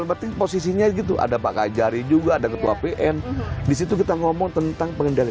berarti posisinya gitu ada pak kajari juga ada ketua pn disitu kita ngomong tentang pengendalian